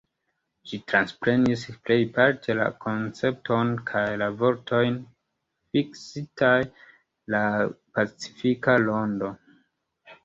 Ĝi transprenis plejparte la koncepton kaj la vortojn fiksitaj de la pacifika rondo.